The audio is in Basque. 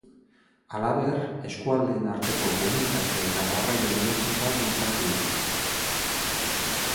Halaber, eskualdeen arteko komunikazio eta garraioen hobekuntza bultzatu ditu.